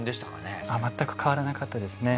全く変わらなかったですね。